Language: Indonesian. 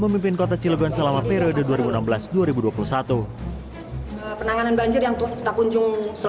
pimpin kota cilegon selama periode dua ribu enam belas dua ribu dua puluh satu